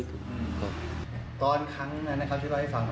ตอนครั้งนั้นนะครับช่วยบอกให้ฟัง